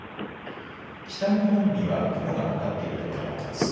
北日本には雲がかかっている所もあります。